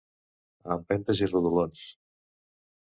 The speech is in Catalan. A empentes i rodolons.